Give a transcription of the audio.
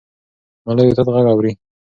ملا یو تت غږ اوري.